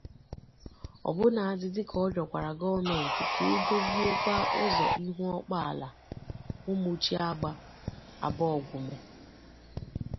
ọbụnadị dịka ọ rịọkwara gọọmenti ka e doziekwa ụzọ Ihuọkpala—Ụmụchi-Agba—Abọgwume